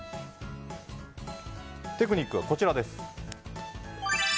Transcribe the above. テクニックはこちらです。